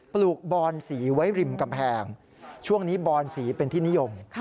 ลูกบอนสีไว้ริมกำแพงช่วงนี้บอนสีเป็นที่นิยม